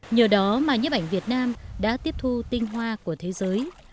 nhờ đó mà nhấp ảnh việt nam đã tiếp thu tinh hoa của thế giới